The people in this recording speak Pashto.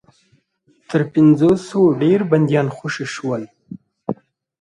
تر پنځوسو ډېر بنديان خوشي شول.